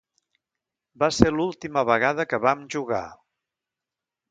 Va ser l'última vegada que vam jugar.